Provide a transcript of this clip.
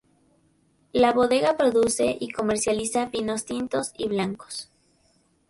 La bodega produce y comercializa vinos tintos y blancos.